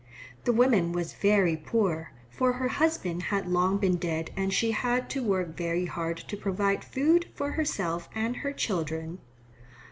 The woman was very poor, for her husband had long been dead and she had to work very hard to provide food for herself and her children.